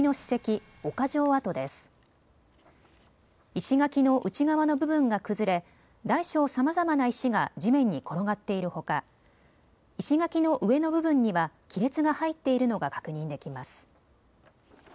石垣の内側の部分が崩れ大小さまざまな石が地面に転がっているほか石垣の上の部分には亀裂が入っているのが確認できます。